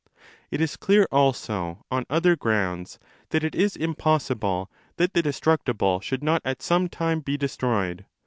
It is clear also on other grounds that it is impossible that'the destructible should not at some time be destroyed.